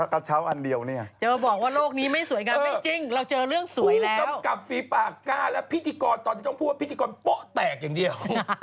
พูดกรรมกับฟีปากแล้วพิธีกรตอนนี้ต้องพูดว่าพิธีกรโป๊่ะแตกอย่างเดียว